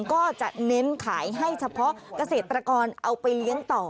ก็จะเน้นขายให้เฉพาะเกษตรกรเอาไปเลี้ยงต่อ